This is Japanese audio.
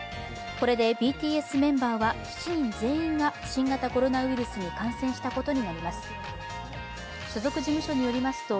これでＢＴＳメンバーは７人全員が新型コロナウイルスに感染したことになります。